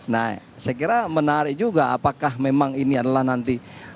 nah saya kira menarik juga apakah memang ini adalah nanti